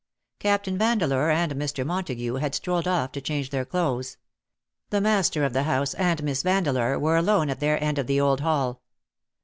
Captain Vandeleur and Mr. Montagu had ^strolled off to change their clothes. The master of the house and Miss Vandeleur were alone at their end of the old hall.